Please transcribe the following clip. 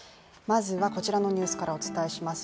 まずは、こちらのニュースからお伝えします。